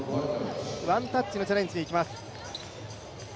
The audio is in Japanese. ワンタッチのチャレンジでいきます。